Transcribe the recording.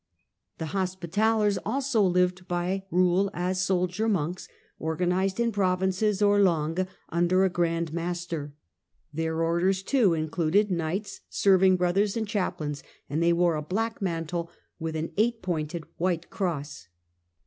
The Hospitallers also lived by rule as soldier monks, organized in provinces or langues under a Grand Master. Their Order, too, included knights, serving brothers and chaplains, and they wore a black mantle with an eight pointed white cross.